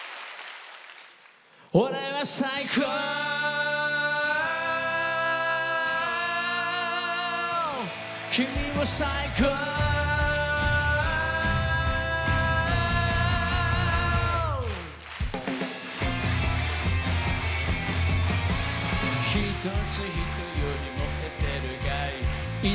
俺は最高君も最高１つ人より燃えてるかい？